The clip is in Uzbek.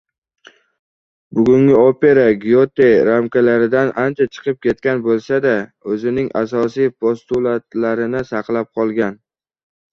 Bugungi opera Gyote ramkalaridan ancha chiqqib ketgan boʻlsada, oʻzining asosiy postulatlarini saqlab qolgan.